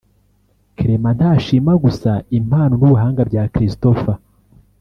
Clement ntashima gusa impano n'ubuhanga bya Christopher